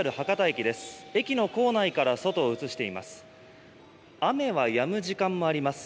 駅の構内から外を映しています。